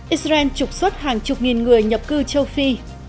israel trục xuất hàng chục nghìn người nhập cư châu phi